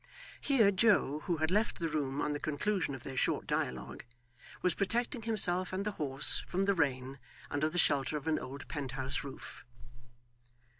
Here Joe (who had left the room on the conclusion of their short dialogue) was protecting himself and the horse from the rain under the shelter of an old penthouse roof.